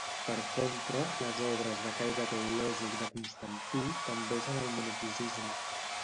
Per contra, les obres de caire teològic de Constantí tendeixen al monofisisme.